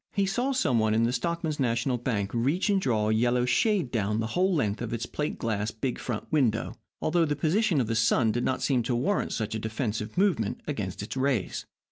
He saw some one in the Stockmen's National Bank reach and draw a yellow shade down the whole length of its plate glass, big front window, although the position of the sun did not seem to warrant such a defensive movement against its rays.